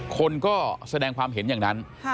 คนก็แสดงความเห็นอย่างนั้น